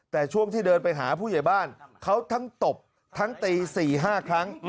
แต่ช่วงที่เดินไปหาผู้ใหญ่บ้านเขาทั้งตบทั้งตี๔๕ครั้ง